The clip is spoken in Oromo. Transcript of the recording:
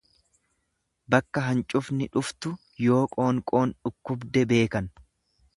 Bakka hancufni dhuftu yoo qoonqoon dhukkubde beekan.